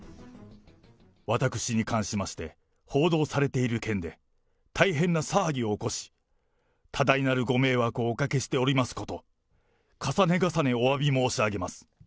私に関しまして、報道されている件で大変な騒ぎを起こし、多大なるご迷惑をおかけしておりますこと、重ね重ねおわび申し上げます。